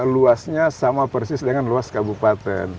luasnya sama persis dengan luas kabupaten